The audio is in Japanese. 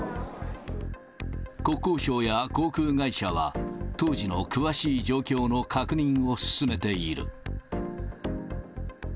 国交省や航空会社は、当時の詳しい状況の確認を進めている。